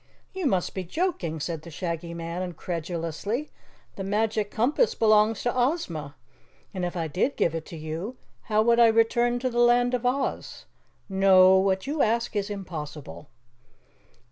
"You must be joking," said the Shaggy Man incredulously. "The Magic Compass belongs to Ozma. And if I did give it to you how would I return to the Land of Oz? No, what you ask is impossible."